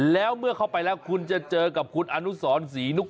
แล้วเมื่อเข้าไปแล้วคุณจะเจอกับคุณอนุสรศรีนุก